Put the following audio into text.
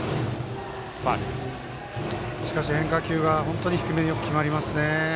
しかし、変化球がよく低めに決まりますね。